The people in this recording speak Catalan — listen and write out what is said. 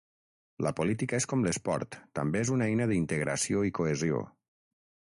La política és com l’esport, també és una eina d’integració i cohesió.